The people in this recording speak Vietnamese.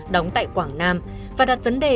đóng tại quảng nam và đặt vấn đề